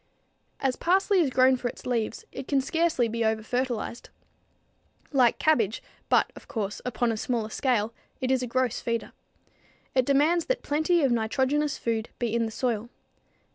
As parsley is grown for its leaves, it can scarcely be over fertilized. Like cabbage, but, of course, upon a smaller scale, it is a gross feeder. It demands that plenty of nitrogenous food be in the soil.